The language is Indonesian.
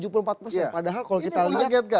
padahal kalau kita lihat